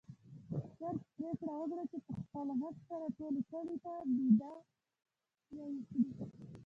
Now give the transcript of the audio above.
چرګ پرېکړه وکړه چې په خپل غږ سره ټول کلي ته بېده وکړي.